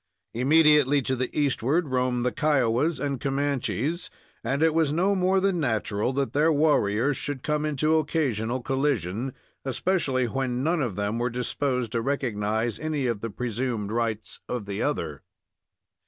Immediately to the eastward roamed the Kiowas and Comanches, and it was no more than natural that their warriors should come into occasional collision, especially when none of them were disposed to recognize any of the presumed rights of the other.